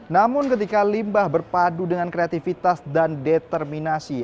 namun ketika limbah berpadu dengan kreativitas dan determinasi